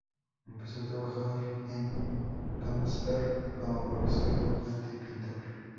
Empezó a trabajar en Kongsberg como profesor, dibujante y pintor.